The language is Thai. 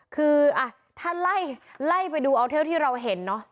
คือท่านไล่ไปดูอัลเทียลที่เราเห็นเนาะ